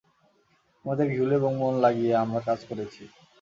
আমাদের ঘিলু এবং মন লাগিয়ে আমরা কাজ করেছি।